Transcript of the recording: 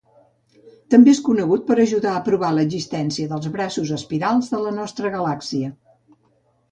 També és conegut per ajudar a provar l'existència dels braços espirals de la nostra galàxia.